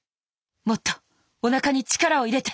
もっとおなかに力を入れて。